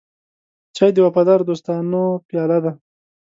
چای د وفادارو دوستانو پیاله ده.